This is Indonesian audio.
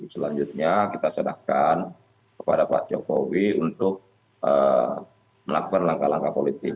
selanjutnya kita serahkan kepada pak jokowi untuk melakukan langkah langkah politik